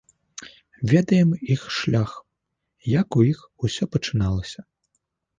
Ведаем іх шлях, як у іх усё пачыналася.